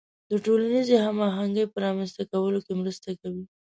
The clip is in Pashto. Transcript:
د ټولنیزې همغږۍ په رامنځته کولو کې مرسته کوي.